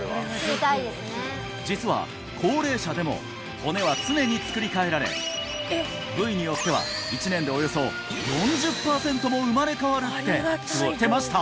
実は高齢者でも骨は常に作りかえられ部位によっては１年でおよそ４０パーセントも生まれ変わるって知ってました？